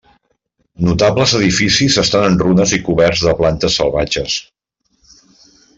Notables edificis estan en runes i cobertes de plantes salvatges.